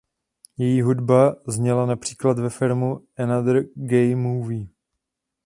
Její hudba zněla například ve filmu "Another Gay Movie".